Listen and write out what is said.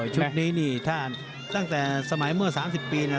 ชุดนี้นี่ถ้าตั้งแต่สมัยเมื่อ๓๐ปีนะ